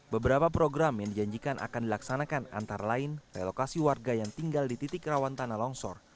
beberapa program yang dijanjikan akan dilaksanakan antara lain relokasi warga yang tinggal di titik rawan tanah longsor